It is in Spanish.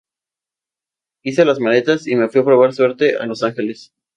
Hice las maletas y me fui a probar suerte a Los Angeles.